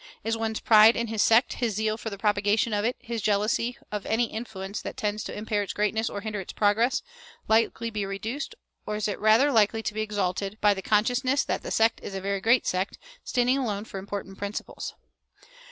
Is one's pride in his sect, his zeal for the propagation of it, his jealousy of any influence that tends to impair its greatness or hinder its progress, likely to be reduced, or is it rather likely to be exalted, by the consciousness that the sect is a very great sect, standing alone for important principles?